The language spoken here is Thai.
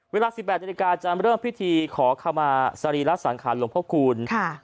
เวลา๑๗นาฬิกาจะเริ่มพฤธีขอข้าวมาสรีรัฐสังขารย์หลวงพระคุณครับ